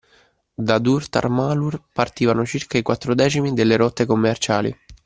Da Durtar Malur partivano circa i quattro decimi delle rotte commerciali.